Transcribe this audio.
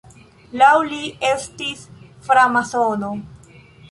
Laŭ li estis framasono.